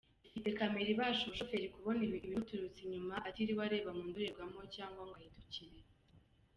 Ifite Camera ifasha umushoferi kubona ibimuturutse inyuma atiriwe areba mu ndorerwamo cyangwa ngo ahindukire.